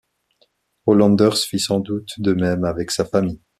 Hollanders fit sans doute de même avec sa famille.